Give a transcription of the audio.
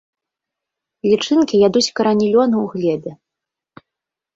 Лічынкі ядуць карані лёну ў глебе.